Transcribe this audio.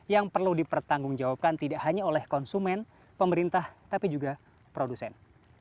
yang perlu dipertanggungjawabkan tidak hanya oleh konsumen pemerintah tapi juga produsen